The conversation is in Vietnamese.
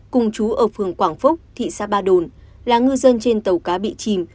cùng chú ở phường quảng phúc thị xã ba đồn là ngư dân trên tàu cá bị chìm